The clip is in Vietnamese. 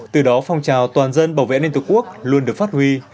từ đó phong trào toàn dân bảo vệ an ninh tổ quốc luôn được phát huy